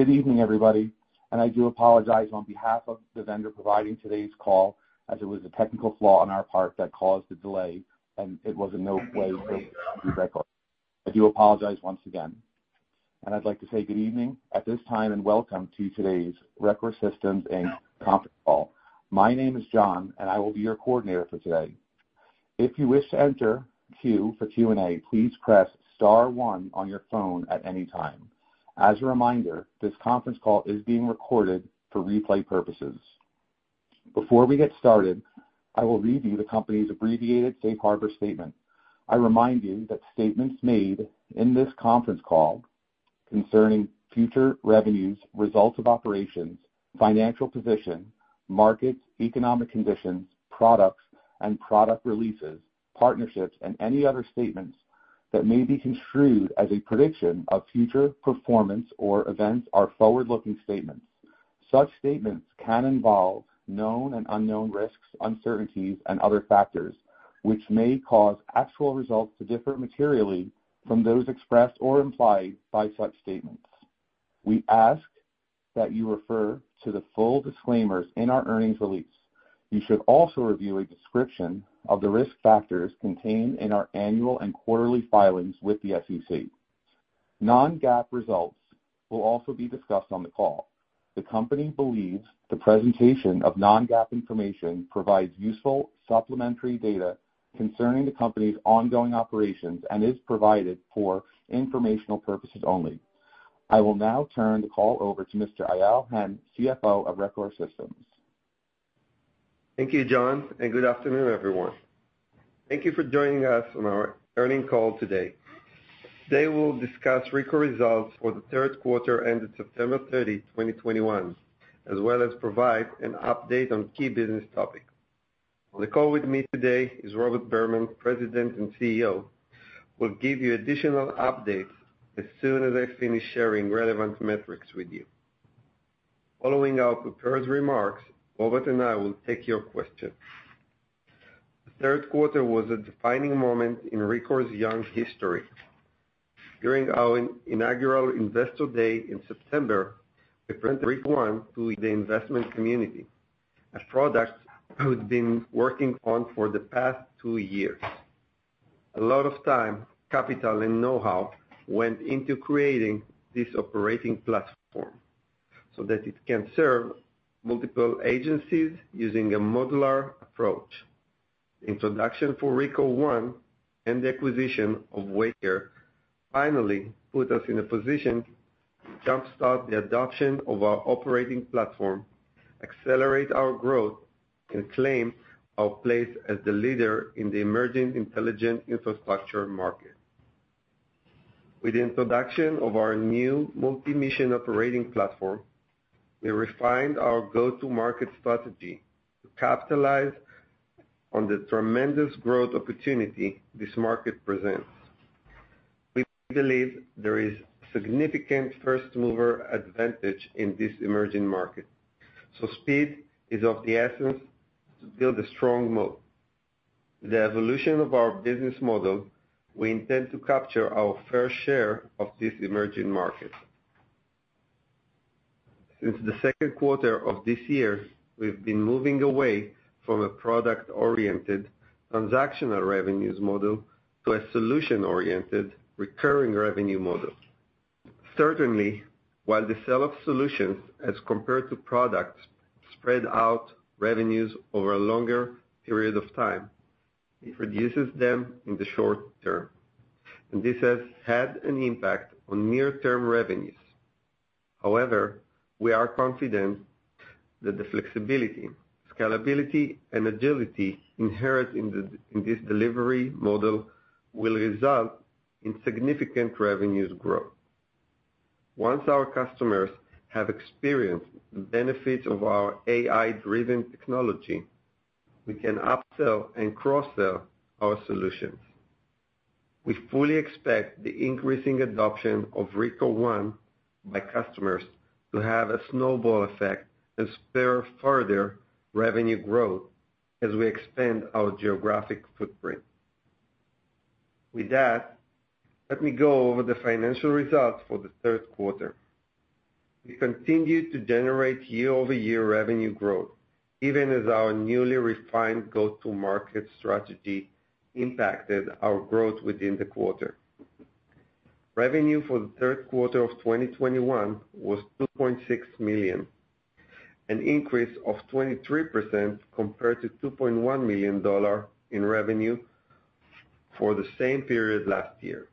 Good evening, everybody, and I do apologize on behalf of the vendor providing today's call, as it was a technical flaw on our part that caused the delay, and it was in no way Rekor. I do apologize once again. I'd like to say good evening at this time, and welcome to today's Rekor Systems, Inc. conference call. My name is John, and I will be your coordinator for today. If you wish to enter queue for Q&A, please press star one on your phone at any time. As a reminder, this conference call is being recorded for replay purposes. Before we get started, I will read you the company's abbreviated safe harbor statement. I remind you that statements made in this conference call concerning future revenues, results of operations, financial position, markets, economic conditions, products and product releases, partnerships, and any other statements that may be construed as a prediction of future performance or events are forward-looking statements. Such statements can involve known and unknown risks, uncertainties and other factors, which may cause actual results to differ materially from those expressed or implied by such statements. We ask that you refer to the full disclaimers in our earnings release. You should also review a description of the risk factors contained in our annual and quarterly filings with the SEC. Non-GAAP results will also be discussed on the call. The company believes the presentation of non-GAAP information provides useful supplementary data concerning the company's ongoing operations and is provided for informational purposes only. I will now turn the call over to Mr. Eyal Hen, CFO of Rekor Systems. Thank you, John, and good afternoon, everyone. Thank you for joining us on our earnings call today. Today, we'll discuss Rekor results for the third quarter ended September 30, 2021, as well as provide an update on key business topics. On the call with me today is Robert Berman, President and CEO. He will give you additional updates as soon as I finish sharing relevant metrics with you. Following our prepared remarks, Robert and I will take your questions. The third quarter was a defining moment in Rekor's young history. During our inaugural Investor Day in September, we presented Rekor One to the investment community, a product we've been working on for the past two years. A lot of time, capital, and know-how went into creating this operating platform so that it can serve multiple agencies using a modular approach. introduction of Rekor One and the acquisition of Waycare finally put us in a position to jump-start the adoption of our operating platform, accelerate our growth, and claim our place as the leader in the emerging intelligent infrastructure market. With the introduction of our new multi-mission operating platform, we refined our go-to-market strategy to capitalize on the tremendous growth opportunity this market presents. We believe there is significant first mover advantage in this emerging market, so speed is of the essence to build a strong moat. The evolution of our business model, we intend to capture our fair share of this emerging market. Since the second quarter of this year, we've been moving away from a product-oriented transactional revenues model to a solution-oriented recurring revenue model. Certainly, while the SaaS solutions as compared to products spread out revenues over a longer period of time, it reduces them in the short term, and this has had an impact on near-term revenues. However, we are confident that the flexibility, scalability, and agility inherent in this delivery model will result in significant revenues growth. Once our customers have experienced the benefits of our AI-driven technology, we can upsell and cross-sell our solutions. We fully expect the increasing adoption of Rekor One by customers to have a snowball effect and spur further revenue growth as we expand our geographic footprint. With that, let me go over the financial results for the third quarter. We continued to generate year-over-year revenue growth, even as our newly refined go-to-market strategy impacted our growth within the quarter. Revenue for the third quarter of 2021 was $2.6 million, an increase of 23% compared to $2.1 million in revenue for the same period last year.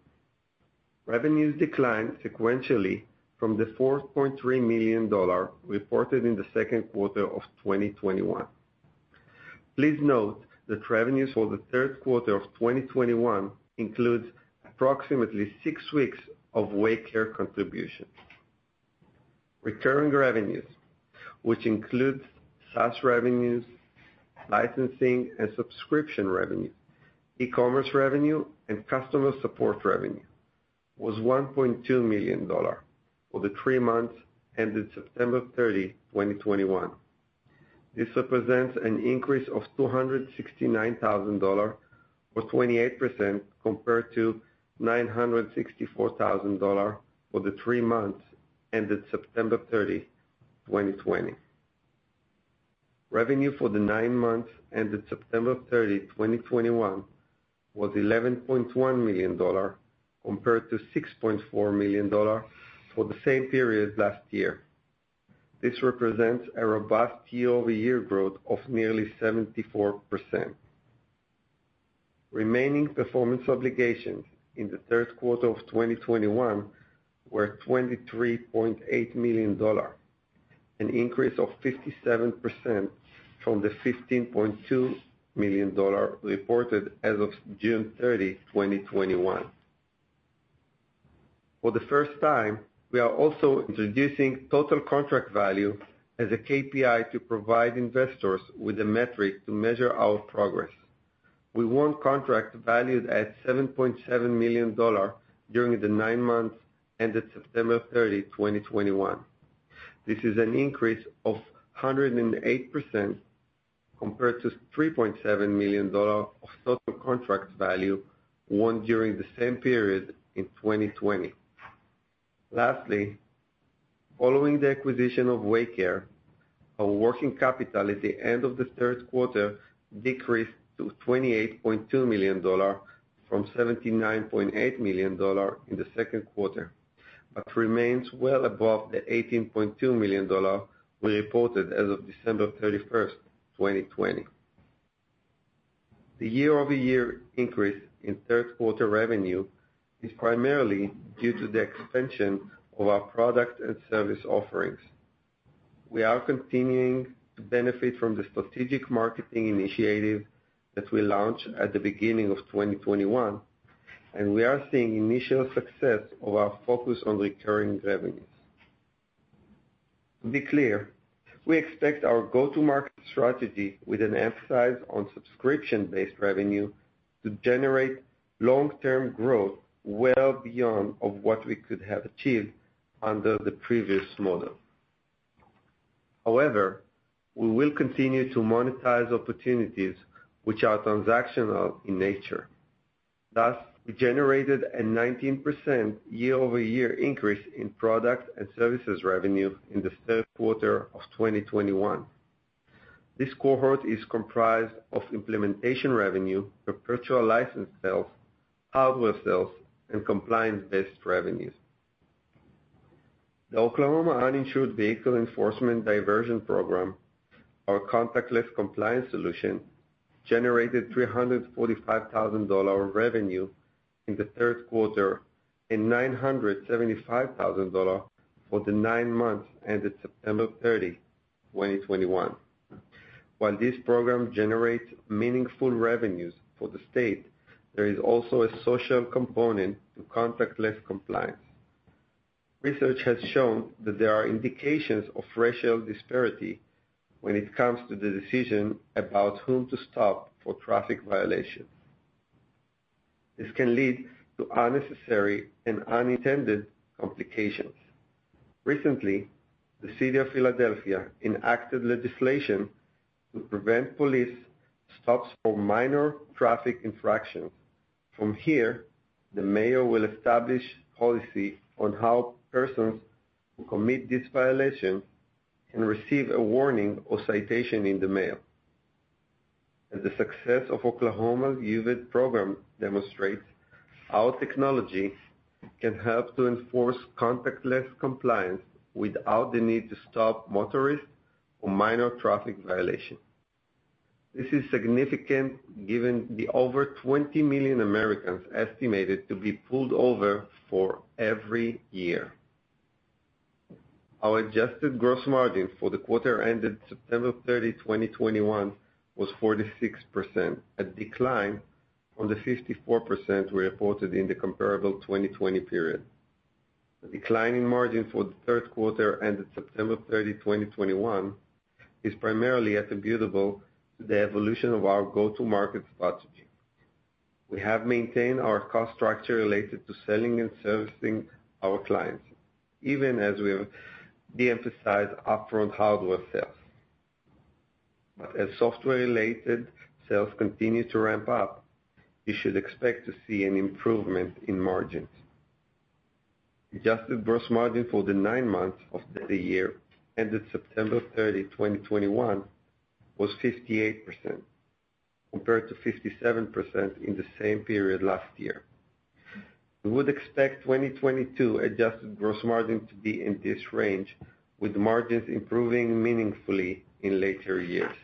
Revenues declined sequentially from the $4.3 million reported in the second quarter of 2021. Please note that revenues for the third quarter of 2021 includes approximately six weeks of Waycare contribution. Recurring revenues, which includes SaaS revenues, licensing and subscription revenue, e-commerce revenue, and customer support revenue, was $1.2 million for the three months ended September 30, 2021. This represents an increase of $269,000, or 28%, compared to $964,000 for the three months ended September 30, 2020. Revenue for the nine months ended September 30, 2021 was $11.1 million compared to $6.4 million for the same period last year. This represents a robust year-over-year growth of nearly 74%. Remaining performance obligations in the third quarter of 2021 were $23.8 million, an increase of 57% from the $15.2 million reported as of June 30, 2021. For the first time, we are also introducing total contract value as a KPI to provide investors with a metric to measure our progress. We won contract valued at $7.7 million during the nine months ended September 30, 2021. This is an increase of 108% compared to $3.7 million of total contract value won during the same period in 2020. Lastly, following the acquisition of Waycare, our working capital at the end of the third quarter decreased to $28.2 million from $79.8 million in the second quarter, but remains well above the $18.2 million we reported as of December 31, 2020. The year-over-year increase in third quarter revenue is primarily due to the expansion of our product and service offerings. We are continuing to benefit from the strategic marketing initiative that we launched at the beginning of 2021, and we are seeing initial success of our focus on recurring revenues. To be clear, we expect our go-to-market strategy with an emphasis on subscription-based revenue to generate long-term growth well beyond what we could have achieved under the previous model. However, we will continue to monetize opportunities which are transactional in nature. Thus, we generated a 19% year-over-year increase in product and services revenue in the third quarter of 2021. This cohort is comprised of implementation revenue, perpetual license sales, hardware sales, and compliance-based revenues. The Oklahoma Uninsured Vehicle Enforcement Diversion program, our contactless compliance solution, generated $345,000 revenue in the third quarter and $975,000 for the nine months ended September 30, 2021. While this program generates meaningful revenues for the state, there is also a social component to contactless compliance. Research has shown that there are indications of racial disparity when it comes to the decision about whom to stop for traffic violations. This can lead to unnecessary and unintended complications. Recently, the City of Philadelphia enacted legislation to prevent police stops for minor traffic infractions. From here, the mayor will establish policy on how persons who commit this violation can receive a warning or citation in the mail. As the success of Oklahoma's UVED program demonstrates, our technologies can help to enforce contactless compliance without the need to stop motorists for minor traffic violations. This is significant given the over 20 million Americans estimated to be pulled over every year. Our adjusted gross margin for the quarter ended September 30, 2021 was 46%, a decline from the 54% we reported in the comparable 2020 period. The decline in margins for the third quarter ended September 30, 2021 is primarily attributable to the evolution of our go-to-market strategy. We have maintained our cost structure related to selling and servicing our clients, even as we have de-emphasized upfront hardware sales. As software-related sales continue to ramp up, you should expect to see an improvement in margins. Adjusted gross margin for the nine months of the year ended September 30, 2021 was 58% compared to 57% in the same period last year. We would expect 2022 adjusted gross margin to be in this range, with margins improving meaningfully in later years.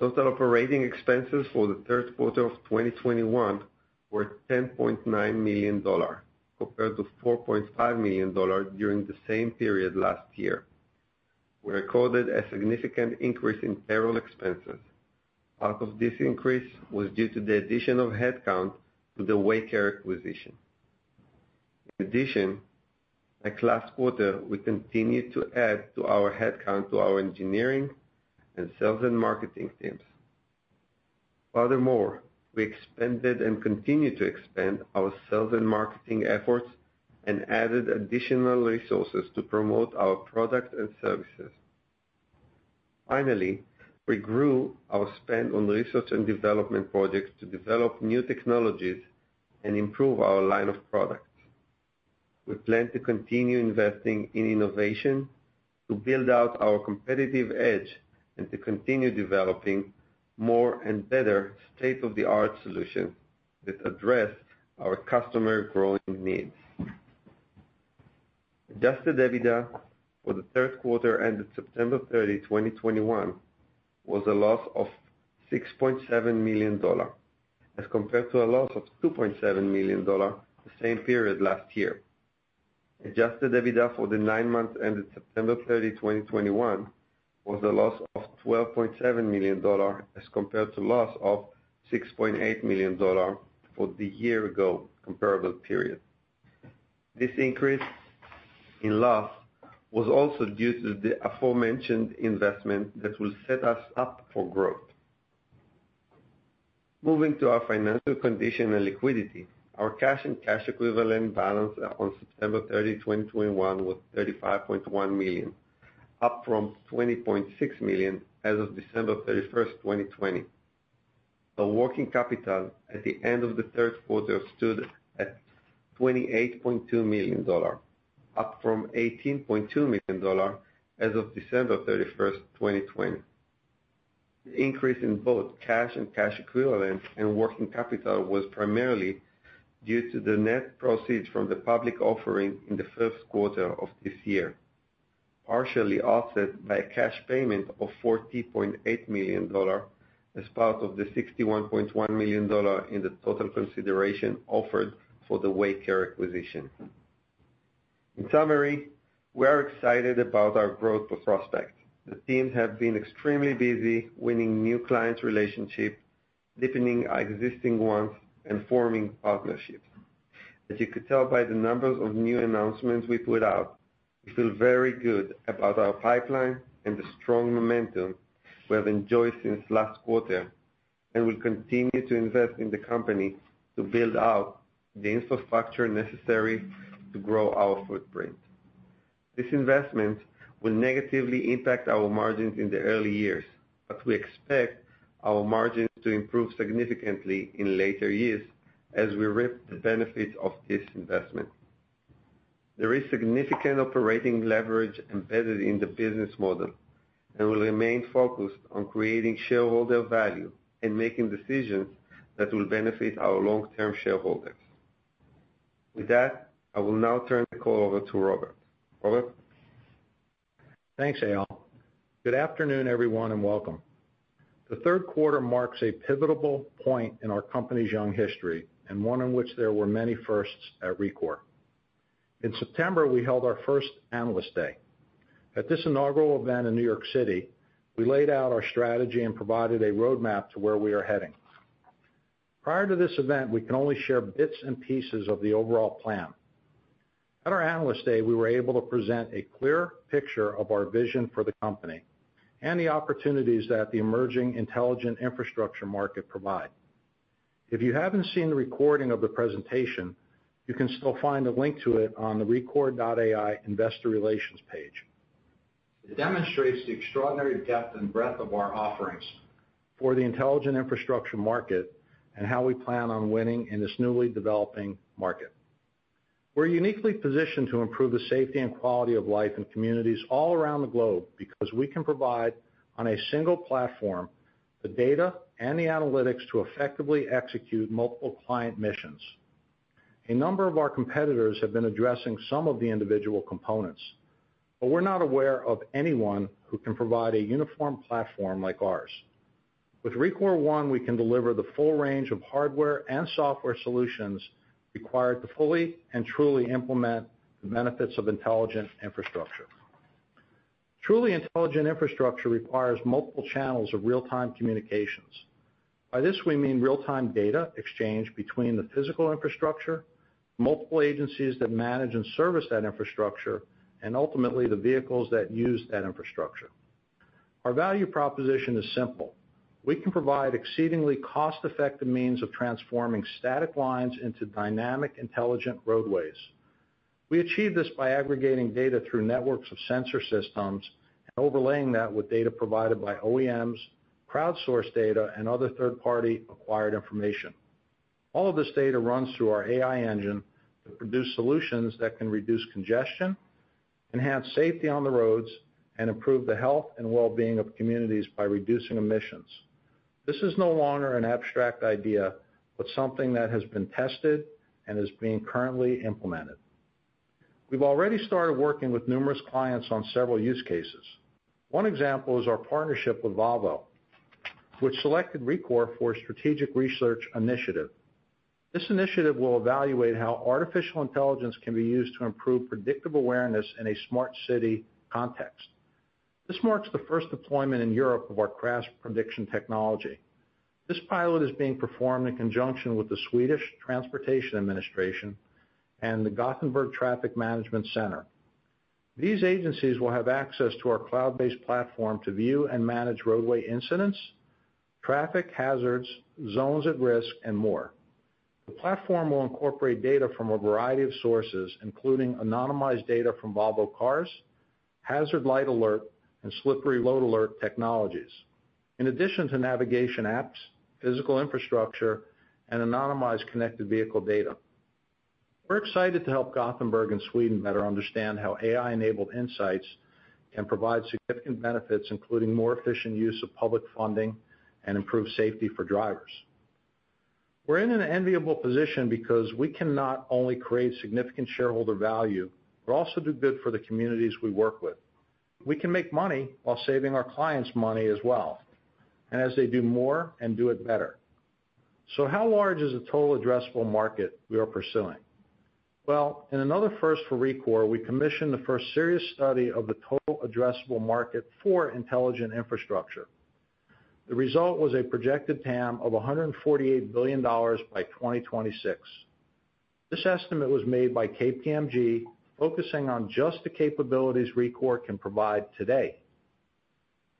Total operating expenses for the third quarter of 2021 were $10.9 million compared to $4.5 million during the same period last year. We recorded a significant increase in payroll expenses. Part of this increase was due to the addition of headcount to the Waycare acquisition. In addition, like last quarter, we continued to add to our headcount to our engineering and sales and marketing teams. Furthermore, we expanded and continue to expand our sales and marketing efforts and added additional resources to promote our products and services. Finally, we grew our spend on research and development projects to develop new technologies and improve our line of products. We plan to continue investing in innovation to build out our competitive edge and to continue developing more and better state-of-the-art solutions that address our customer growing needs. Adjusted EBITDA for the third quarter ended September 30, 2021 was a loss of $6.7 million as compared to a loss of $2.7 million the same period last year. Adjusted EBITDA for the nine months ended September 30, 2021 was a loss of $12.7 million as compared to loss of $6.8 million for the year-ago comparable period. This increase in loss was also due to the aforementioned investment that will set us up for growth. Moving to our financial condition and liquidity, our cash and cash equivalent balance on September 30, 2021 was $35.1 million, up from $20.6 million as of December 31, 2020. Our working capital at the end of the third quarter stood at $28.2 million, up from $18.2 million as of December 31, 2020. The increase in both cash and cash equivalents and working capital was primarily due to the net proceeds from the public offering in the first quarter of this year, partially offset by a cash payment of $40.8 million as part of the $61.1 million in the total consideration offered for the Waycare acquisition. In summary, we are excited about our growth prospects. The team have been extremely busy winning new client relationships, deepening existing ones, and forming partnerships. As you could tell by the numbers of new announcements we put out, we feel very good about our pipeline and the strong momentum we have enjoyed since last quarter. We'll continue to invest in the company to build out the infrastructure necessary to grow our footprint. This investment will negatively impact our margins in the early years, but we expect our margins to improve significantly in later years as we reap the benefits of this investment. There is significant operating leverage embedded in the business model, and we'll remain focused on creating shareholder value and making decisions that will benefit our long-term shareholders. With that, I will now turn the call over to Robert. Robert? Thanks, Eyal. Good afternoon, everyone, and welcome. The third quarter marks a pivotal point in our company's young history and one in which there were many firsts at Rekor. In September, we held our first analyst day. At this inaugural event in New York City, we laid out our strategy and provided a roadmap to where we are heading. Prior to this event, we can only share bits and pieces of the overall plan. At our analyst day, we were able to present a clear picture of our vision for the company and the opportunities that the emerging intelligent infrastructure market provide. If you haven't seen the recording of the presentation, you can still find a link to it on the rekor.ai investor relations page. It demonstrates the extraordinary depth and breadth of our offerings for the intelligent infrastructure market and how we plan on winning in this newly developing market. We're uniquely positioned to improve the safety and quality of life in communities all around the globe because we can provide on a single platform the data and the analytics to effectively execute multiple client missions. A number of our competitors have been addressing some of the individual components, but we're not aware of anyone who can provide a uniform platform like ours. With Rekor One, we can deliver the full range of hardware and software solutions required to fully and truly implement the benefits of intelligent infrastructure. Truly intelligent infrastructure requires multiple channels of real-time communications. By this, we mean real-time data exchanged between the physical infrastructure, multiple agencies that manage and service that infrastructure, and ultimately, the vehicles that use that infrastructure. Our value proposition is simple. We can provide exceedingly cost-effective means of transforming static lines into dynamic, intelligent roadways. We achieve this by aggregating data through networks of sensor systems and overlaying that with data provided by OEMs, crowdsourced data, and other third-party acquired information. All of this data runs through our AI engine to produce solutions that can reduce congestion, enhance safety on the roads, and improve the health and well-being of communities by reducing emissions. This is no longer an abstract idea, but something that has been tested and is being currently implemented. We've already started working with numerous clients on several use cases. One example is our partnership with Volvo, which selected Rekor for a strategic research initiative. This initiative will evaluate how artificial intelligence can be used to improve predictable awareness in a smart city context. This marks the first deployment in Europe of our crash prediction technology. This pilot is being performed in conjunction with the Swedish Transport Administration and the Gothenburg Traffic Management Center. These agencies will have access to our cloud-based platform to view and manage roadway incidents, traffic hazards, zones at risk, and more. The platform will incorporate data from a variety of sources, including anonymized data from Volvo Cars, hazard light alert, and slippery load alert technologies, in addition to navigation apps, physical infrastructure, and anonymized connected vehicle data. We're excited to help Gothenburg and Sweden better understand how AI-enabled insights can provide significant benefits, including more efficient use of public funding and improved safety for drivers. We're in an enviable position because we can not only create significant shareholder value, but also do good for the communities we work with. We can make money while saving our clients money as well, and as they do more and do it better. How large is the total addressable market we are pursuing? Well, in another first for Rekor, we commissioned the first serious study of the total addressable market for intelligent infrastructure. The result was a projected TAM of $148 billion by 2026. This estimate was made by KPMG, focusing on just the capabilities Rekor can provide today.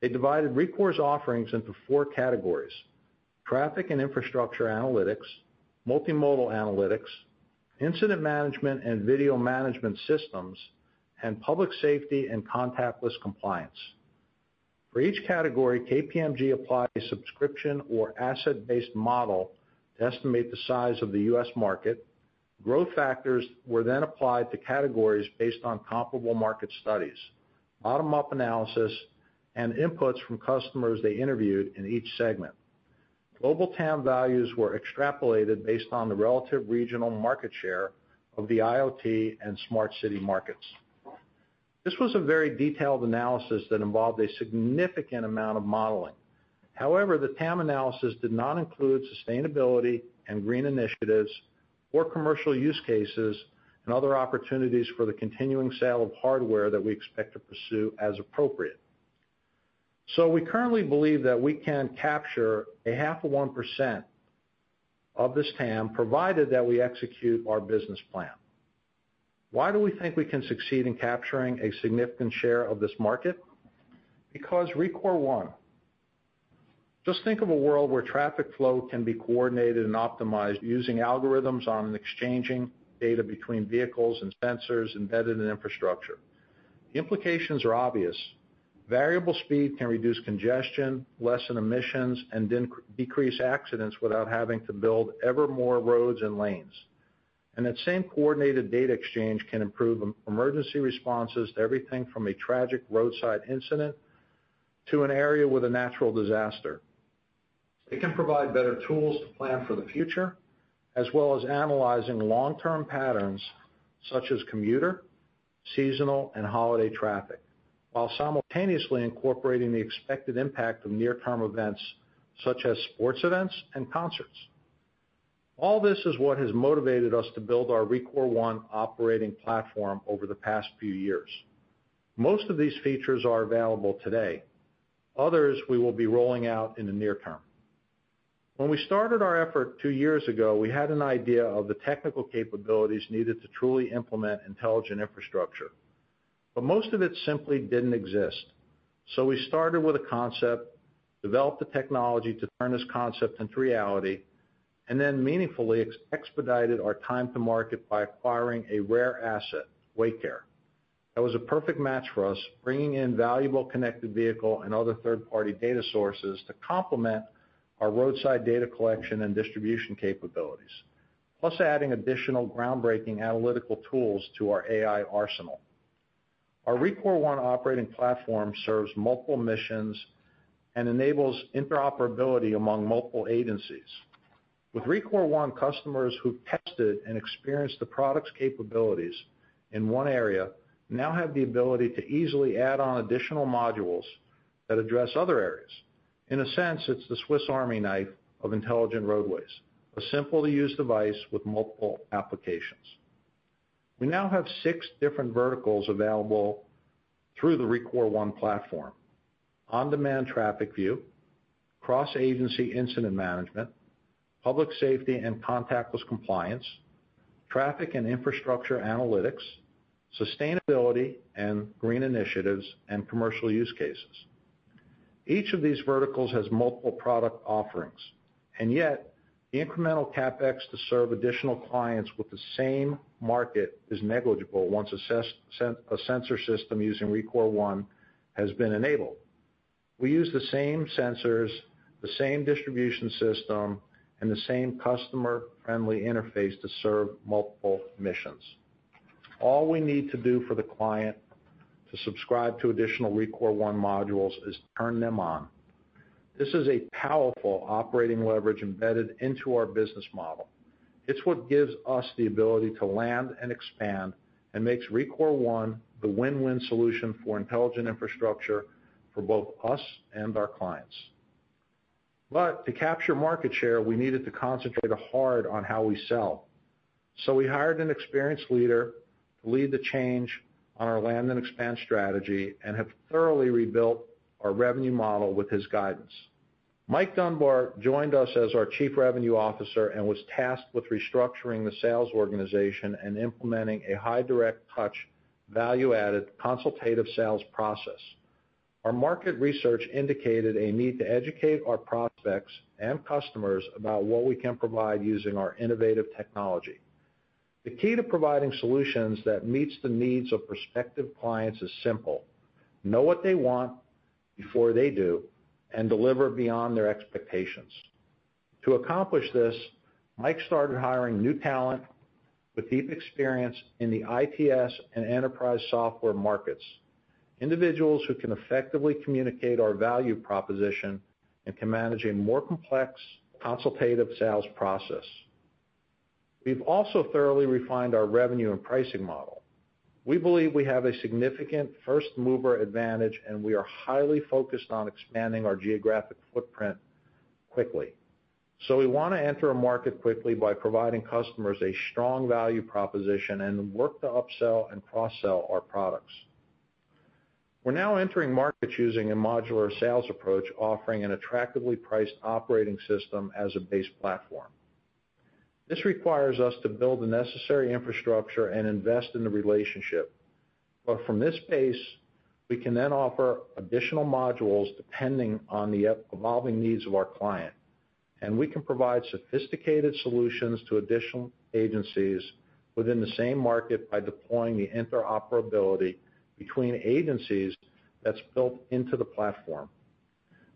They divided Rekor's offerings into four categories, traffic and infrastructure analytics, multimodal analytics, incident management and video management systems, and public safety and contactless compliance. For each category, KPMG applied a subscription or asset-based model to estimate the size of the U.S. market. Growth factors were then applied to categories based on comparable market studies, bottom-up analysis, and inputs from customers they interviewed in each segment. Global TAM values were extrapolated based on the relative regional market share of the IoT and smart city markets. This was a very detailed analysis that involved a significant amount of modeling. However, the TAM analysis did not include sustainability and green initiatives or commercial use cases and other opportunities for the continuing sale of hardware that we expect to pursue as appropriate. We currently believe that we can capture 0.5% of this TAM, provided that we execute our business plan. Why do we think we can succeed in capturing a significant share of this market? Because Rekor One. Just think of a world where traffic flow can be coordinated and optimized using algorithms on exchanging data between vehicles and sensors embedded in infrastructure. The implications are obvious. Variable speed can reduce congestion, lessen emissions, and then decrease accidents without having to build ever more roads and lanes. That same coordinated data exchange can improve emergency responses to everything from a tragic roadside incident to an area with a natural disaster. It can provide better tools to plan for the future, as well as analyzing long-term patterns such as commuter, seasonal, and holiday traffic, while simultaneously incorporating the expected impact of near-term events such as sports events and concerts. All this is what has motivated us to build our Rekor One operating platform over the past few years. Most of these features are available today. Others, we will be rolling out in the near term. When we started our effort two years ago, we had an idea of the technical capabilities needed to truly implement intelligent infrastructure. Most of it simply didn't exist. We started with a concept, developed the technology to turn this concept into reality, and then meaningfully expedited our time to market by acquiring a rare asset, Waycare. That was a perfect match for us, bringing in valuable connected vehicle and other third-party data sources to complement our roadside data collection and distribution capabilities. Plus, adding additional groundbreaking analytical tools to our AI arsenal. Our Rekor One operating platform serves multiple missions and enables interoperability among multiple agencies. With Rekor One, customers who tested and experienced the product's capabilities in one area now have the ability to easily add on additional modules that address other areas. In a sense, it's the Swiss Army knife of intelligent roadways, a simple-to-use device with multiple applications. We now have six different verticals available through the Rekor One platform, on-demand traffic view, cross-agency incident management, public safety and contactless compliance, traffic and infrastructure analytics, sustainability and green initiatives, and commercial use cases. Each of these verticals has multiple product offerings, and yet the incremental CapEx to serve additional clients with the same market is negligible once a sensor system using Rekor One has been enabled. We use the same sensors, the same distribution system, and the same customer-friendly interface to serve multiple missions. All we need to do for the client to subscribe to additional Rekor One modules is turn them on. This is a powerful operating leverage embedded into our business model. It's what gives us the ability to land and expand and makes Rekor One the win-win solution for intelligent infrastructure for both us and our clients. To capture market share, we needed to concentrate hard on how we sell. We hired an experienced leader to lead the change in our land-and-expand strategy and have thoroughly rebuilt our revenue model with his guidance. Mike Dunbar joined us as our Chief Revenue Officer and was tasked with restructuring the sales organization and implementing a high-touch, direct, value-added consultative sales process. Our market research indicated a need to educate our prospects and customers about what we can provide using our innovative technology. The key to providing solutions that meets the needs of prospective clients is simple. Know what they want before they do and deliver beyond their expectations. To accomplish this, Mike started hiring new talent with deep experience in the ITS and enterprise software markets, individuals who can effectively communicate our value proposition and can manage a more complex consultative sales process. We've also thoroughly refined our revenue and pricing model. We believe we have a significant first-mover advantage, and we are highly focused on expanding our geographic footprint quickly. We wanna enter a market quickly by providing customers a strong value proposition and work to upsell and cross-sell our products. We're now entering markets using a modular sales approach, offering an attractively priced operating system as a base platform. This requires us to build the necessary infrastructure and invest in the relationship. From this base, we can then offer additional modules depending on the evolving needs of our client, and we can provide sophisticated solutions to additional agencies within the same market by deploying the interoperability between agencies that's built into the platform.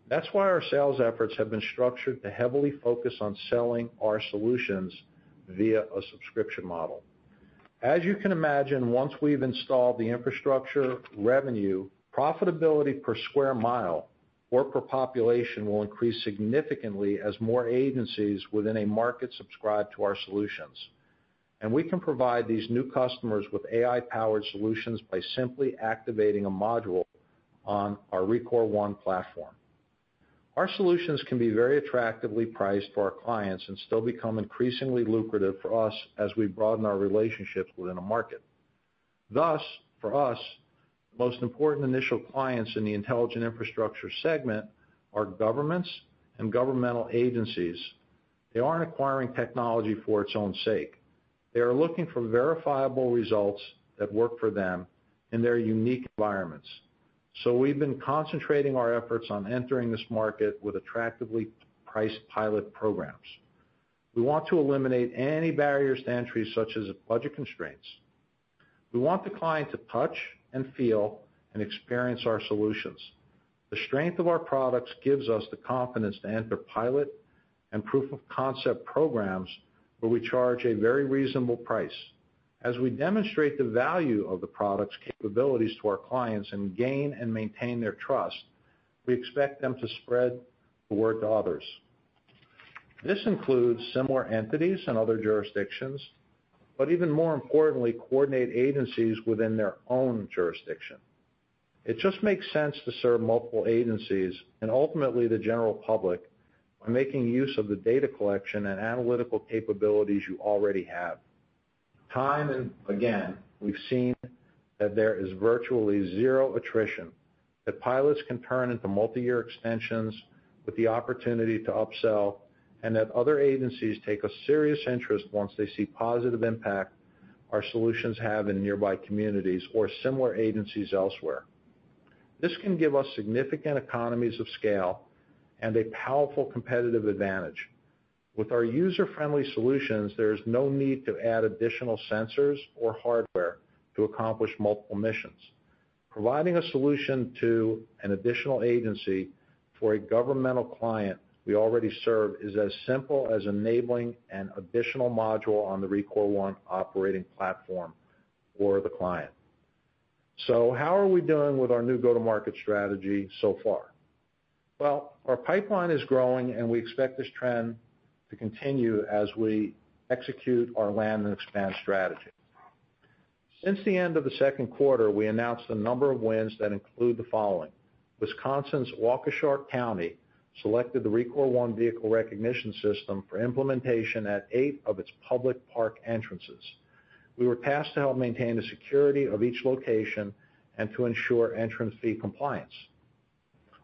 That's why our sales efforts have been structured to heavily focus on selling our solutions via a subscription model. As you can imagine, once we've installed the infrastructure revenue, profitability per square mile or per population will increase significantly as more agencies within a market subscribe to our solutions. We can provide these new customers with AI-powered solutions by simply activating a module on our Rekor One platform. Our solutions can be very attractively priced for our clients and still become increasingly lucrative for us as we broaden our relationships within a market. Thus, for us, the most important initial clients in the intelligent infrastructure segment are governments and governmental agencies. They aren't acquiring technology for its own sake. They are looking for verifiable results that work for them in their unique environments. We've been concentrating our efforts on entering this market with attractively priced pilot programs. We want to eliminate any barriers to entry, such as budget constraints. We want the client to touch and feel and experience our solutions. The strength of our products gives us the confidence to enter pilot and proof of concept programs where we charge a very reasonable price. As we demonstrate the value of the product's capabilities to our clients and gain and maintain their trust, we expect them to spread the word to others. This includes similar entities in other jurisdictions, but even more importantly, coordinate agencies within their own jurisdiction. It just makes sense to serve multiple agencies and ultimately the general public by making use of the data collection and analytical capabilities you already have. Time and again, we've seen that there is virtually zero attrition, that pilots can turn into multiyear extensions with the opportunity to upsell, and that other agencies take a serious interest once they see positive impact our solutions have in nearby communities or similar agencies elsewhere. This can give us significant economies of scale and a powerful competitive advantage. With our user-friendly solutions, there is no need to add additional sensors or hardware to accomplish multiple missions. Providing a solution to an additional agency for a governmental client we already serve is as simple as enabling an additional module on the Rekor One operating platform for the client. How are we doing with our new go-to-market strategy so far? Well, our pipeline is growing, and we expect this trend to continue as we execute our land and expand strategy. Since the end of the second quarter, we announced a number of wins that include the following. Wisconsin's Waukesha County selected the Rekor One vehicle recognition system for implementation at eight of its public park entrances. We were tasked to help maintain the security of each location and to ensure entrance fee compliance.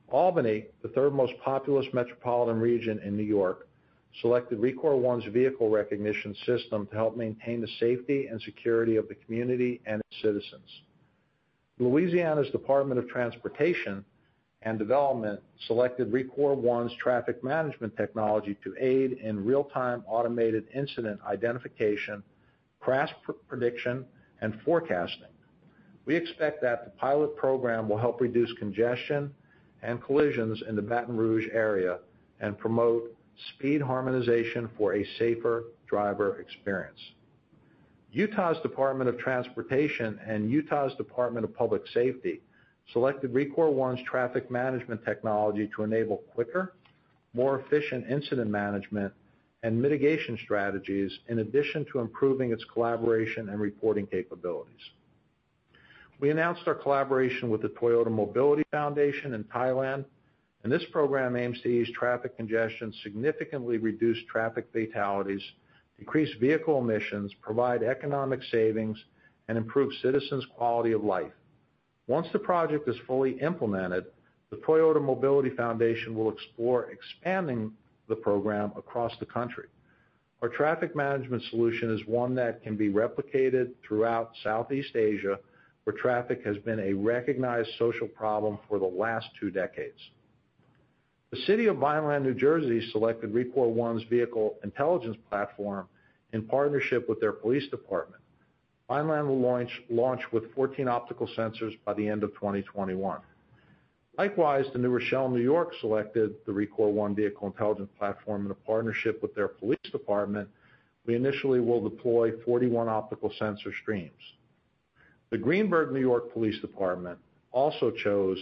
Albany, the third most populous metropolitan region in New York, selected Rekor One's vehicle recognition system to help maintain the safety and security of the community and its citizens. Louisiana's Department of Transportation and Development selected Rekor One's traffic management technology to aid in real-time automated incident identification, crash pre-prediction, and forecasting. We expect that the pilot program will help reduce congestion and collisions in the Baton Rouge area and promote speed harmonization for a safer driver experience. Utah Department of Transportation and Utah Department of Public Safety selected Rekor One's traffic management technology to enable quicker, more efficient incident management and mitigation strategies, in addition to improving its collaboration and reporting capabilities. We announced our collaboration with the Toyota Mobility Foundation in Thailand, and this program aims to ease traffic congestion, significantly reduce traffic fatalities, decrease vehicle emissions, provide economic savings, and improve citizens' quality of life. Once the project is fully implemented, the Toyota Mobility Foundation will explore expanding the program across the country. Our traffic management solution is one that can be replicated throughout Southeast Asia, where traffic has been a recognized social problem for the last two decades. The city of Vineland, New Jersey selected Rekor One's vehicle intelligence platform in partnership with their police department. Vineland will launch with 14 optical sensors by the end of 2021. Likewise, New Rochelle, New York selected the Rekor One vehicle intelligence platform in a partnership with their police department. We initially will deploy 41 optical sensor streams. The Greenburgh New York Police Department also chose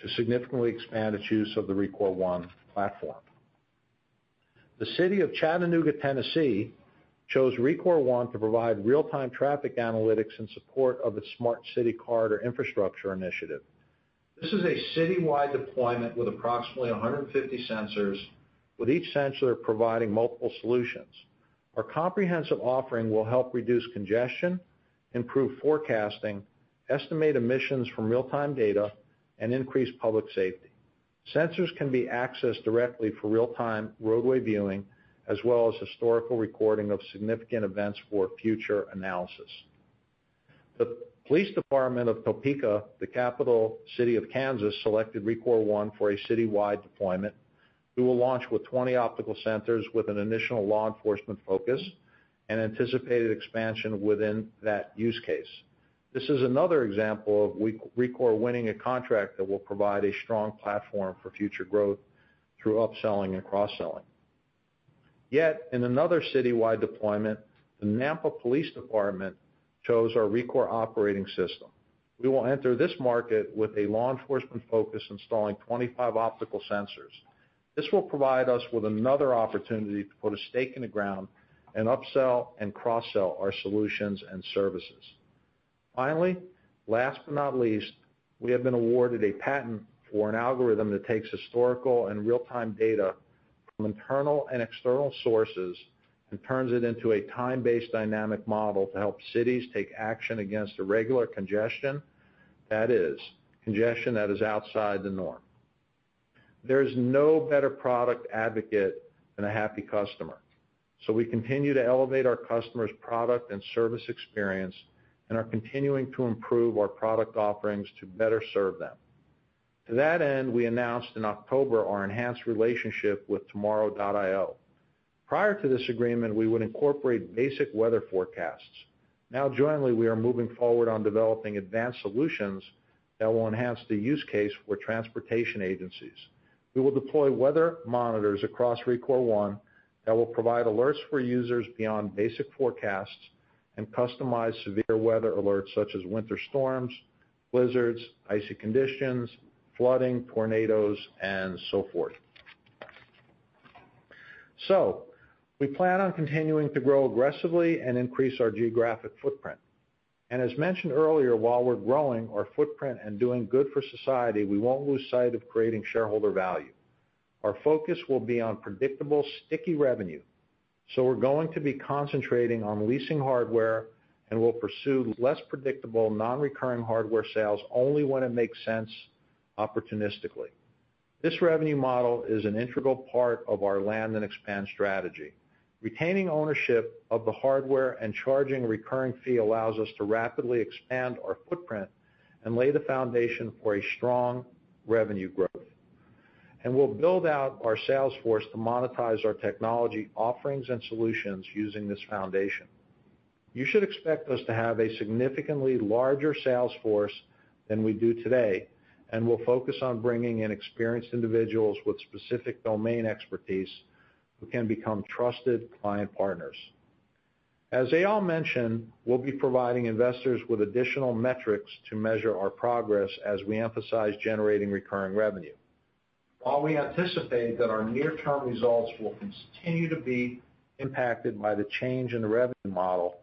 to significantly expand its use of the Rekor One platform. The city of Chattanooga, Tennessee chose Rekor One to provide real-time traffic analytics in support of its Smart City Corridor infrastructure initiative. This is a city-wide deployment with approximately 150 sensors, with each sensor providing multiple solutions. Our comprehensive offering will help reduce congestion, improve forecasting, estimate emissions from real-time data, and increase public safety. Sensors can be accessed directly for real-time roadway viewing as well as historical recording of significant events for future analysis. The police department of Topeka, the capital city of Kansas, selected Rekor One for a city-wide deployment. We will launch with 20 optical centers with an initial law enforcement focus and anticipated expansion within that use case. This is another example of Rekor winning a contract that will provide a strong platform for future growth through upselling and cross-selling. In another city-wide deployment, the Nampa Police Department chose our Rekor operating system. We will enter this market with a law enforcement focus, installing 25 optical sensors. This will provide us with another opportunity to put a stake in the ground and upsell and cross-sell our solutions and services. Finally, last but not least, we have been awarded a patent for an algorithm that takes historical and real-time data from internal and external sources and turns it into a time-based dynamic model to help cities take action against irregular congestion. That is, congestion that is outside the norm. There is no better product advocate than a happy customer, so we continue to elevate our customers' product and service experience and are continuing to improve our product offerings to better serve them. To that end, we announced in October our enhanced relationship with Tomorrow.io. Prior to this agreement, we would incorporate basic weather forecasts. Now jointly, we are moving forward on developing advanced solutions that will enhance the use case for transportation agencies. We will deploy weather monitors across Rekor One that will provide alerts for users beyond basic forecasts and customize severe weather alerts such as winter storms, blizzards, icy conditions, flooding, tornadoes, and so forth. We plan on continuing to grow aggressively and increase our geographic footprint. As mentioned earlier, while we're growing our footprint and doing good for society, we won't lose sight of creating shareholder value. Our focus will be on predictable, sticky revenue. We're going to be concentrating on leasing hardware, and we'll pursue less predictable, non-recurring hardware sales only when it makes sense opportunistically. This revenue model is an integral part of our land and expand strategy. Retaining ownership of the hardware and charging a recurring fee allows us to rapidly expand our footprint and lay the foundation for a strong revenue growth. We'll build out our sales force to monetize our technology offerings and solutions using this foundation. You should expect us to have a significantly larger sales force than we do today, and we'll focus on bringing in experienced individuals with specific domain expertise who can become trusted client partners. As Eyal mentioned, we'll be providing investors with additional metrics to measure our progress as we emphasize generating recurring revenue. While we anticipate that our near-term results will continue to be impacted by the change in the revenue model,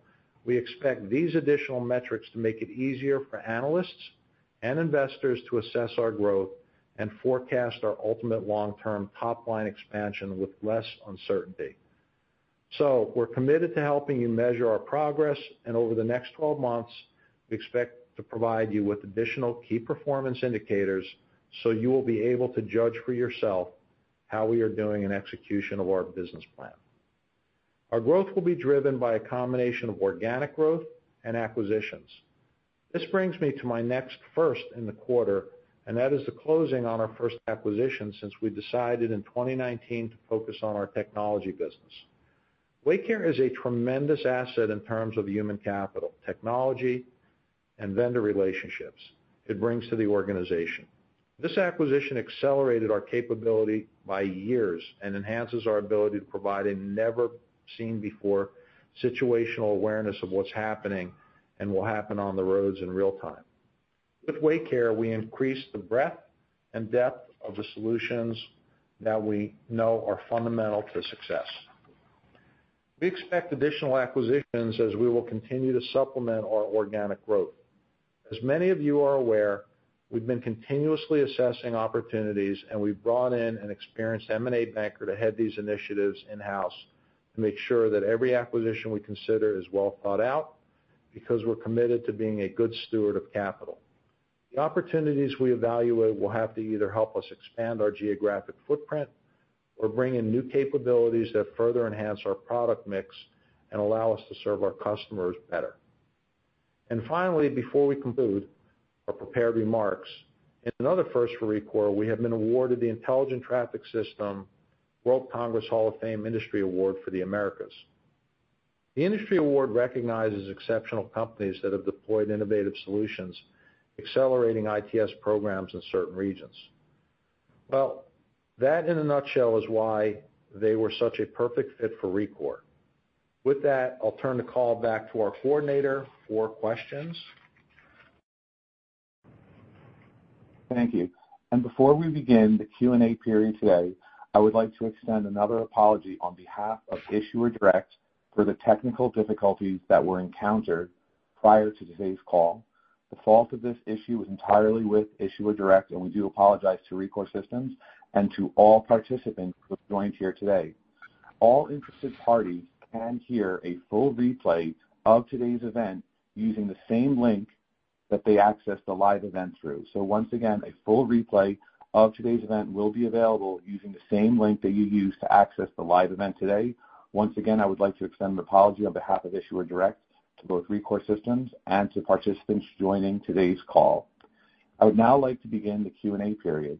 we expect these additional metrics to make it easier for analysts and investors to assess our growth and forecast our ultimate long-term top-line expansion with less uncertainty. We're committed to helping you measure our progress, and over the next 12 months, we expect to provide you with additional key performance indicators so you will be able to judge for yourself how we are doing in execution of our business plan. Our growth will be driven by a combination of organic growth and acquisitions. This brings me to my next first in the quarter, and that is the closing on our first acquisition since we decided in 2019 to focus on our technology business. Waycare is a tremendous asset in terms of the human capital, technology, and vendor relationships it brings to the organization. This acquisition accelerated our capability by years and enhances our ability to provide a never seen before situational awareness of what's happening and will happen on the roads in real time. With Waycare, we increase the breadth and depth of the solutions that we know are fundamental to success. We expect additional acquisitions as we will continue to supplement our organic growth. As many of you are aware, we've been continuously assessing opportunities, and we've brought in an experienced M&A banker to head these initiatives in-house. To make sure that every acquisition we consider is well thought out because we're committed to being a good steward of capital. The opportunities we evaluate will have to either help us expand our geographic footprint or bring in new capabilities that further enhance our product mix and allow us to serve our customers better. Finally, before we conclude our prepared remarks, in another first for Rekor, we have been awarded the Intelligent Transport Systems World Congress Hall of Fame Industry Award for the Americas. The industry award recognizes exceptional companies that have deployed innovative solutions, accelerating ITS programs in certain regions. Well, that in a nutshell, is why they were such a perfect fit for Rekor. With that, I'll turn the call back to our coordinator for questions. Thank you. Before we begin the Q&A period today, I would like to extend another apology on behalf of Issuer Direct for the technical difficulties that were encountered prior to today's call. The fault of this issue is entirely with Issuer Direct, and we do apologize to Rekor Systems and to all participants who have joined here today. All interested parties can hear a full replay of today's event using the same link that they accessed the live event through. Once again, a full replay of today's event will be available using the same link that you used to access the live event today. Once again, I would like to extend an apology on behalf of Issuer Direct to both Rekor Systems and to participants joining today's call. I would now like to begin the Q&A period.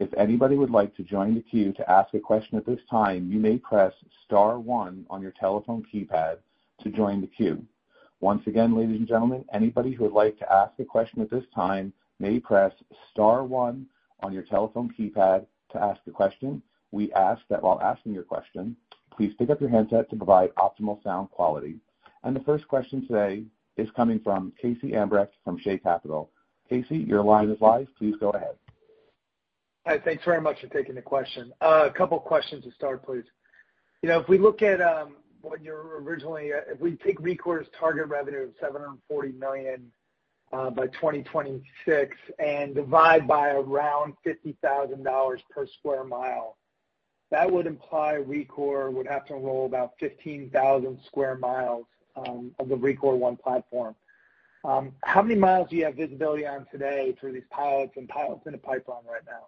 If anybody would like to join the queue to ask a question at this time, you may press star one on your telephone keypad to join the queue. Once again, ladies and gentlemen, anybody who would like to ask a question at this time may press star one on your telephone keypad to ask a question. We ask that while asking your question, please pick up your handset to provide optimal sound quality. The first question today is coming from Casey Obrecht from CJS Securities. Casey, your line is live. Please go ahead. Hi, thanks very much for taking the question. A couple of questions to start, please. You know, if we look at, if we take Rekor's target revenue of $740 million by 2026 and divide by around $50,000 per sq mi, that would imply Rekor would have to roll out about 15,000 sq mi of the Rekor One platform. How many miles do you have visibility on today through these pilots and pilots in the pipeline right now?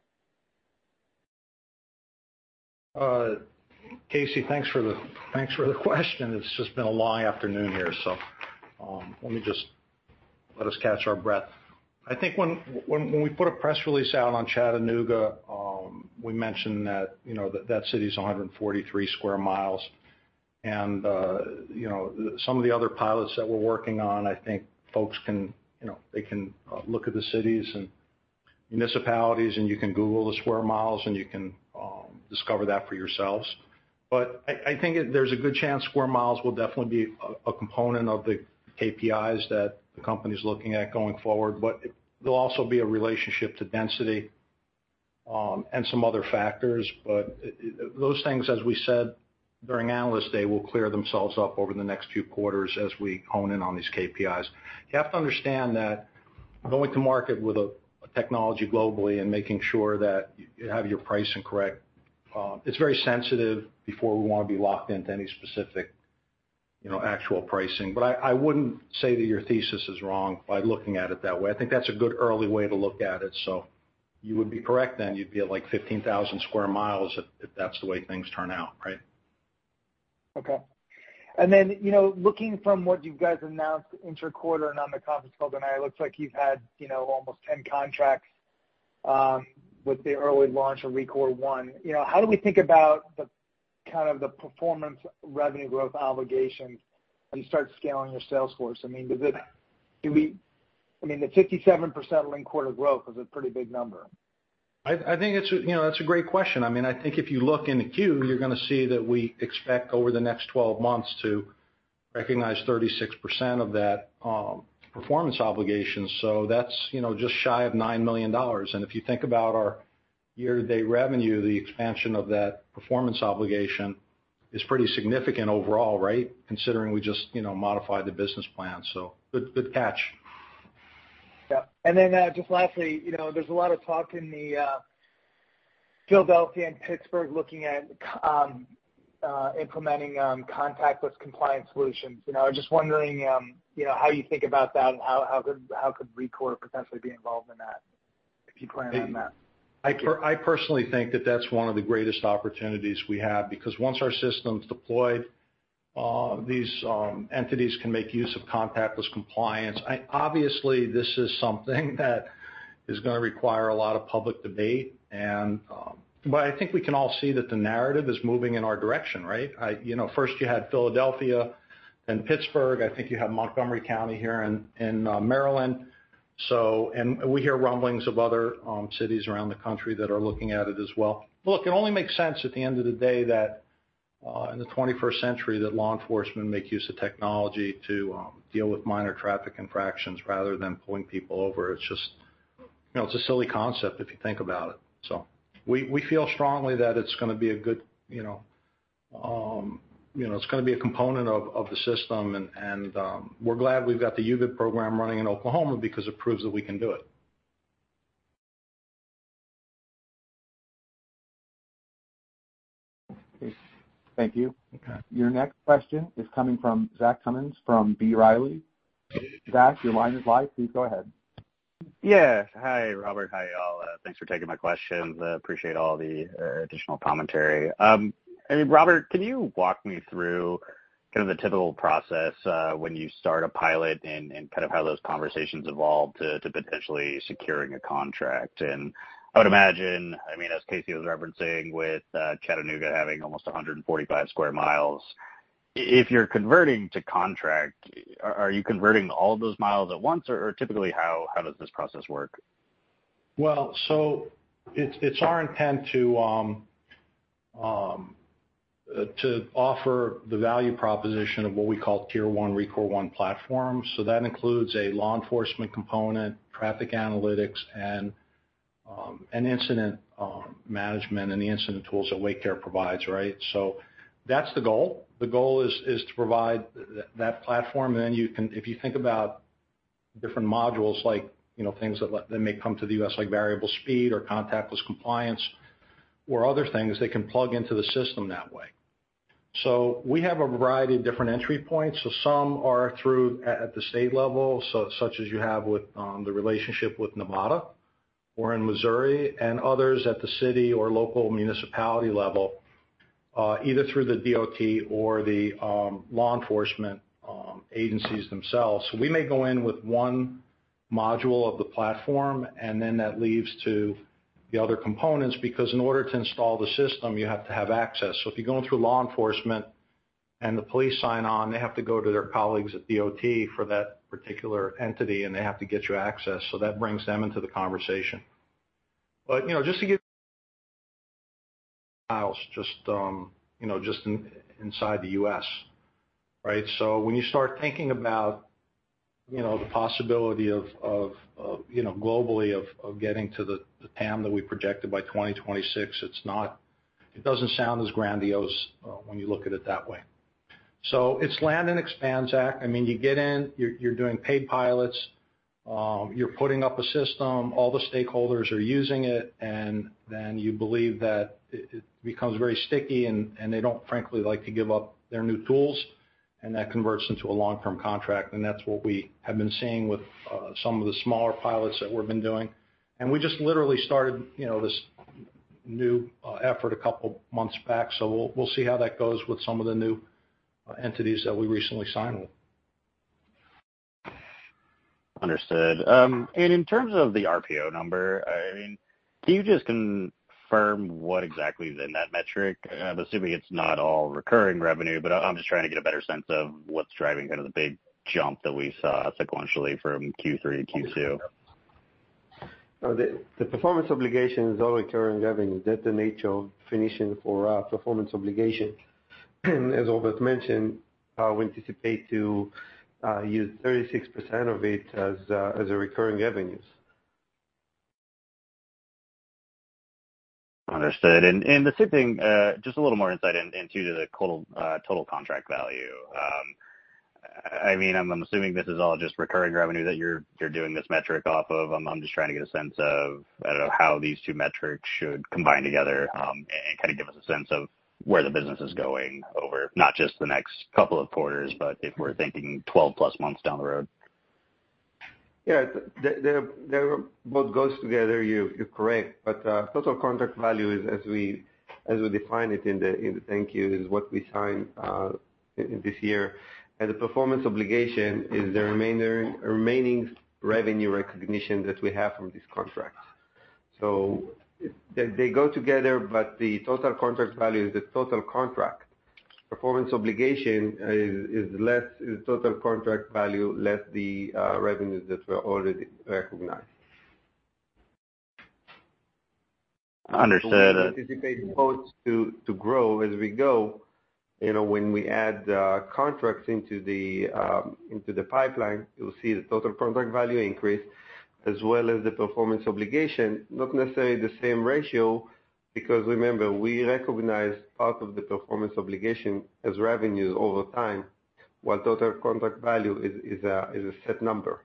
Casey, thanks for the question. It's just been a long afternoon here, so let me just let us catch our breath. I think when we put a press release out on Chattanooga, we mentioned that, you know, that city is 143 sq mi. Some of the other pilots that we're working on, I think folks can, they can look at the cities and municipalities, and you can Google the square miles, and you can discover that for yourselves. I think there's a good chance square miles will definitely be a component of the KPIs that the company's looking at going forward. There'll also be a relationship to density and some other factors. those things, as we said during Analyst Day, will clear themselves up over the next few quarters as we hone in on these KPIs. You have to understand that going to market with a technology globally and making sure that you have your pricing correct, it's very sensitive before we wanna be locked into any specific, you know, actual pricing. I wouldn't say that your thesis is wrong by looking at it that way. I think that's a good early way to look at it. You would be correct then. You'd be at, like, 15,000 sq mi if that's the way things turn out, right? Okay. You know, looking from what you guys announced inter-quarter and on the conference call tonight, it looks like you've had, you know, almost 10 contracts with the early launch of Rekor One. You know, how do we think about the kind of performance revenue growth obligation as you start scaling your sales force? I mean, the 57% linked-quarter growth is a pretty big number. I think, you know, that's a great question. I mean, I think if you look in the queue, you're gonna see that we expect over the next 12 months to recognize 36% of that performance obligation. That's, you know, just shy of $9 million. If you think about our year-to-date revenue, the expansion of that performance obligation is pretty significant overall, right, considering we just, you know, modified the business plan. Good catch. Yeah. Just lastly, you know, there's a lot of talk in the Philadelphia and Pittsburgh looking at implementing contactless compliance solutions. You know, I was just wondering, you know, how you think about that and how could Rekor potentially be involved in that if you plan on that? I personally think that that's one of the greatest opportunities we have, because once our system's deployed, these entities can make use of contactless compliance. Obviously, this is something that is gonna require a lot of public debate and, but I think we can all see that the narrative is moving in our direction, right? You know, first you had Philadelphia, then Pittsburgh. I think you have Montgomery County here in Maryland. We hear rumblings of other cities around the country that are looking at it as well. Look, it only makes sense at the end of the day that, in the twenty-first century, that law enforcement make use of technology to deal with minor traffic infractions rather than pulling people over. It's just, you know, it's a silly concept if you think about it. We feel strongly that it's gonna be a good, you know, you know, it's gonna be a component of the system. We're glad we've got the UVED program running in Oklahoma because it proves that we can do it. Thank you. Okay. Your next question is coming from Zach Cummins from B. Riley. Zach, your line is live. Please go ahead. Yeah. Hi, Robert. Hi, y'all. Thanks for taking my questions. I appreciate all the additional commentary. I mean, Robert, can you walk me through kind of the typical process when you start a pilot and kind of how those conversations evolve to potentially securing a contract? I would imagine, I mean, as Casey was referencing with Chattanooga having almost 145 sq mi, if you're converting to contract, are you converting all of those miles at once? Or typically how does this process work? Well, it's our intent to offer the value proposition of what we call Tier One Rekor One platform. That includes a law enforcement component, traffic analytics, and an incident management and the incident tools that Waycare provides, right? That's the goal. The goal is to provide that platform. You can if you think about different modules like, you know, things that may come to the U.S., like variable speed or contactless compliance or other things, they can plug into the system that way. We have a variety of different entry points. Some are through at the state level, such as you have with the relationship with NMDOT or in Missouri and others at the city or local municipality level, either through the DOT or the law enforcement agencies themselves. We may go in with one module of the platform, and then that leaves to the other components, because in order to install the system, you have to have access. If you're going through law enforcement and the police sign on, they have to go to their colleagues at DOT for that particular entity, and they have to get you access. That brings them into the conversation. You know, just to give, you know, just inside the U.S., right? When you start thinking about, you know, the possibility of getting to the TAM that we projected by 2026, it doesn't sound as grandiose when you look at it that way. It's land and expand, Zach. I mean, you get in, you're doing paid pilots, you're putting up a system, all the stakeholders are using it, and then you believe that it becomes very sticky and they don't frankly like to give up their new tools, and that converts into a long-term contract. That's what we have been seeing with some of the smaller pilots that we've been doing. We just literally started, you know, this new effort a couple months back. We'll see how that goes with some of the new entities that we recently signed with. Understood. In terms of the RPO number, I mean, can you just confirm what exactly is in that metric? I'm assuming it's not all recurring revenue, but I'm just trying to get a better sense of what's driving kind of the big jump that we saw sequentially from Q3 to Q2. The performance obligation is all recurring revenue. That's the nature of financing for our performance obligation. As Robert mentioned, we anticipate to use 36% of it as recurring revenues. Understood. The same thing, just a little more insight into the total contract value. I mean, I'm assuming this is all just recurring revenue that you're doing this metric off of. I'm just trying to get a sense of, I don't know, how these two metrics should combine together, and kinda give us a sense of where the business is going over not just the next couple of quarters, but if we're thinking 12-plus months down the road. Yeah. They're both goes together. You're correct. Total contract value is as we define it in the 10-Q is what we signed this year. The performance obligation is the remaining revenue recognition that we have from this contract. They go together, but the total contract value is the total contract. The performance obligation is total contract value less the revenues that were already recognized. Understood. We anticipate both to grow as we go. You know, when we add contracts into the pipeline, you'll see the total contract value increase as well as the performance obligation, not necessarily the same ratio, because remember, we recognize part of the performance obligation as revenues over time, while total contract value is a set number.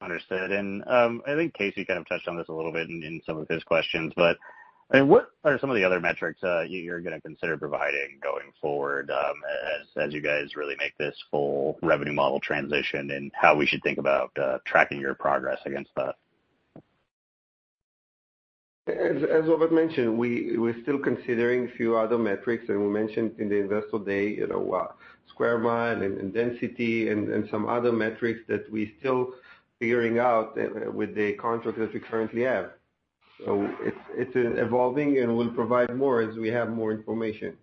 Understood. I think Casey kind of touched on this a little bit in some of his questions, but I mean, what are some of the other metrics you're gonna consider providing going forward, as you guys really make this full revenue model transition and how we should think about tracking your progress against that? As Robert mentioned, we're still considering a few other metrics, and we mentioned in the Investor Day, you know, square mile and density and some other metrics that we're still figuring out with the contracts that we currently have. It's evolving, and we'll provide more as we have more information.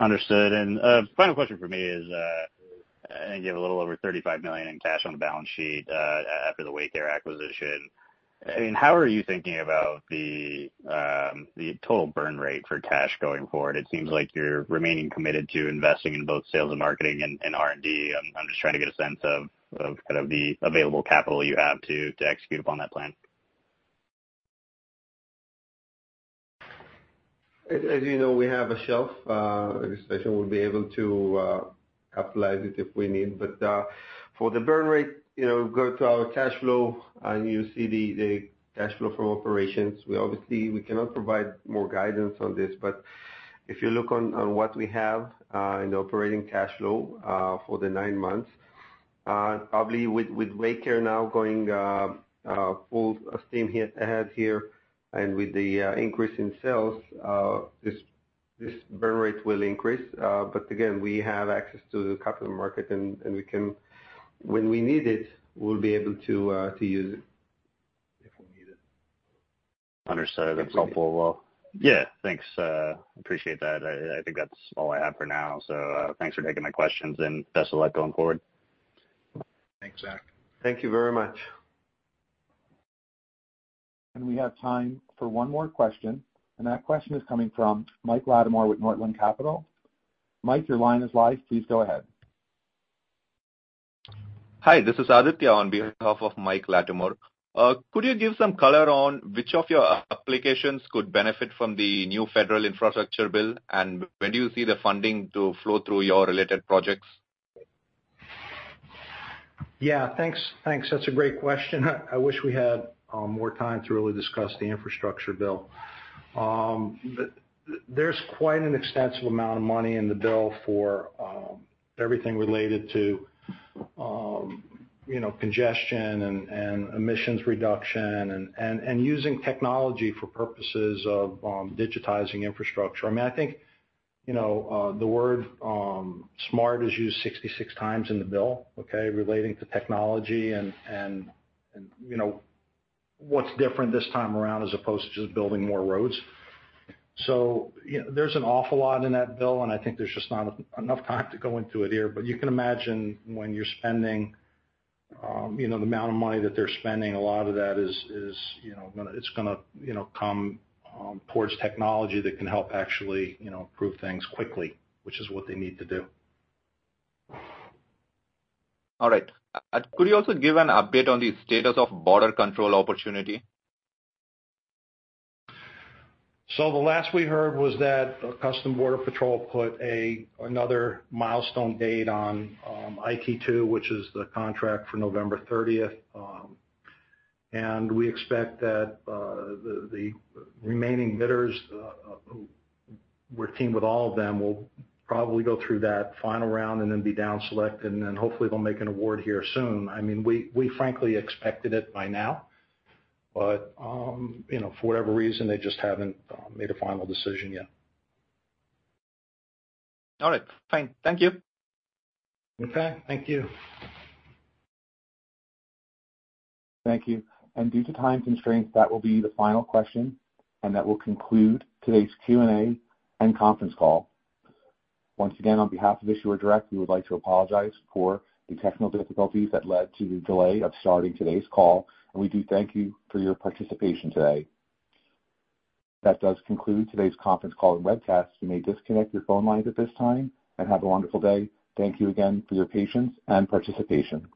Understood. Final question for me is, I think you have a little over $35 million in cash on the balance sheet after the Waycare acquisition. I mean, how are you thinking about the total burn rate for cash going forward? It seems like you're remaining committed to investing in both sales and marketing and R&D. I'm just trying to get a sense of kind of the available capital you have to execute upon that plan. You know, we have a shelf registration we'll be able to capitalize it if we need. For the burn rate, you know, go to our cash flow and you see the cash flow from operations. We obviously cannot provide more guidance on this, but if you look at what we have in the operating cash flow for the nine months, probably with Waycare now going full steam ahead here and with the increase in sales, this burn rate will increase. Again, we have access to the capital market and we can, when we need it, we'll be able to use it if we need it. Understood. That's helpful. Well, yeah, thanks. Appreciate that. I think that's all I have for now. Thanks for taking my questions and best of luck going forward. Thanks, Zach. Thank you very much. We have time for one more question, and that question is coming from Mike Latimore with Northland Capital. Mike, your line is live. Please go ahead. Hi, this is Aditya on behalf of Mike Latimore. Could you give some color on which of your applications could benefit from the new federal infrastructure bill? When do you see the funding to flow through your related projects? Yeah, thanks. That's a great question. I wish we had more time to really discuss the infrastructure bill. There's quite an extensive amount of money in the bill for everything related to you know, congestion and emissions reduction and using technology for purposes of digitizing infrastructure. I mean, I think you know, the word smart is used 66 times in the bill, okay, relating to technology and you know, what's different this time around as opposed to just building more roads. You know, there's an awful lot in that bill, and I think there's just not enough time to go into it here. You can imagine when you're spending, you know, the amount of money that they're spending, a lot of that is, you know, it's gonna, you know, come towards technology that can help actually, you know, improve things quickly, which is what they need to do. All right. Could you also give an update on the status of border control opportunity? The last we heard was that Customs Border Patrol put another milestone date on IDIQ T2, which is the contract for November 30. We expect that the remaining bidders we're teamed with all of them will probably go through that final round and then be down select, and then hopefully they'll make an award here soon. I mean, we frankly expected it by now, but you know, for whatever reason, they just haven't made a final decision yet. All right. Fine. Thank you. Okay. Thank you. Thank you. Due to time constraints, that will be the final question, and that will conclude today's Q&A and conference call. Once again, on behalf of Issuer Direct, we would like to apologize for the technical difficulties that led to the delay of starting today's call, and we do thank you for your participation today. That does conclude today's conference call and webcast. You may disconnect your phone lines at this time and have a wonderful day. Thank you again for your patience and participation.